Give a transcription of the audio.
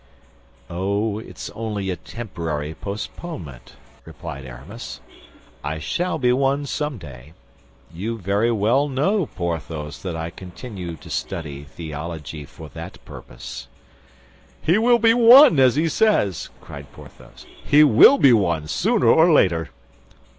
"Oh, it's only a temporary postponement," replied Aramis; "I shall be one someday. You very well know, Porthos, that I continue to study theology for that purpose." "He will be one, as he says," cried Porthos; "he will be one, sooner or later."